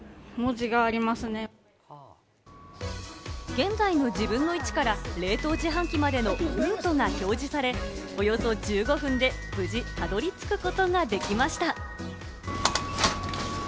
現在の自分の位置から冷凍自販機までのルートが表示され、およそ１５分で無事辿り着くことができました。